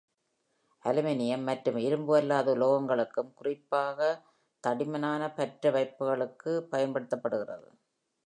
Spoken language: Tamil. அலுமினியம் மற்றும் இரும்பு அல்லாத உலோகங்களுக்கும் , குறிப்பாக தடிமனான பற்றவைப்புகளுக்கு, பயன்படுத்தப்படுகிறது.